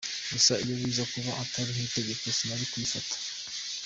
Gusa iyo biza kuba atari nk’itegeko sinari kuyifata.